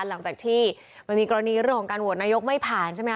หลังจากที่มันมีกรณีเรื่องของการโหวตนายกไม่ผ่านใช่ไหมค